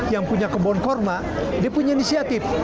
yang punya kebun kurma dia punya inisiatif